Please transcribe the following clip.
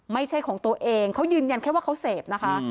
ไม่ใช่ของตัวเองเขายืนยันแค่ว่าเขาเสพนะคะ